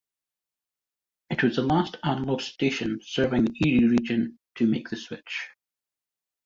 It was the last analog station serving the Erie region to make the switch.